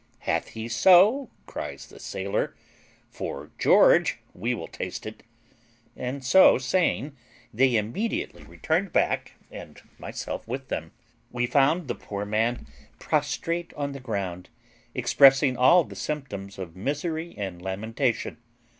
'Hath he so?' cries the sailor; ''fore George, we will taste it;' and so saying they immediately returned back, and myself with them. We found the poor man prostrate on the ground, expressing all the symptoms of misery and lamentation.